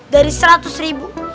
dari seratus ribu